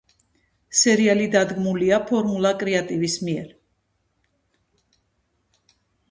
სერიალი დადგმულია ფორმულა კრეატივის მიერ.